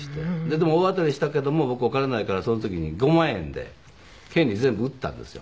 でも大当たりしたけども僕お金ないからその時に５万円で権利全部売ったんですよ。